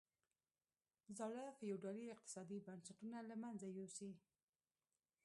زاړه فیوډالي اقتصادي بنسټونه له منځه یوسي.